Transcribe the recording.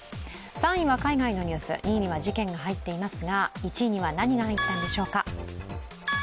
３位は海外のニュース２位には事件が入っていますが１位には何が入ったんでしょうか。